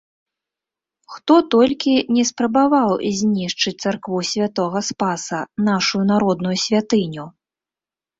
Хто толькі не спрабаваў зьнішчыць царкву Сьвятога Спаса - нашую народную сьвятыню?